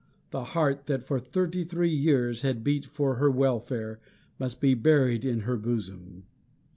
The heart that for thirty three years had beat for her welfare must be buried in her bosom.